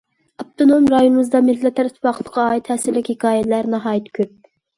ئاپتونوم رايونىمىزدا مىللەتلەر ئىتتىپاقلىقىغا ئائىت تەسىرلىك ھېكايىلەر ناھايىتى كۆپ.